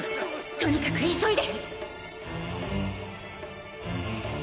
とにかく急いで！